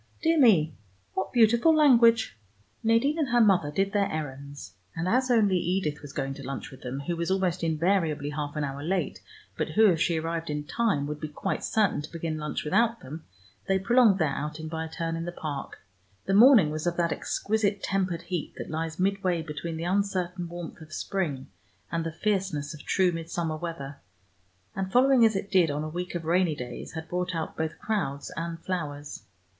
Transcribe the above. Dear me, what beautiful language!" Nadine and her mother did their errands, and as only Edith was going to lunch with them, who was almost invariably half an hour late, but who, if she arrived in time, would be quite certain to begin lunch without them, they prolonged their outing by a turn in the Park. The morning was of that exquisite tempered heat that lies midway between the uncertain warmth of spring and the fierceness of true midsummer weather, and following, as it did, on a week of rainy days had brought out both crowds and flowers.